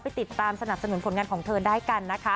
ไปติดตามสนับสนุนโฝนงานของเธอได้กัน